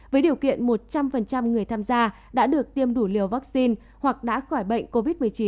với điều kiện một trăm linh người tham gia đã được tiêm đủ liều vaccine hoặc đã khỏi bệnh covid một mươi chín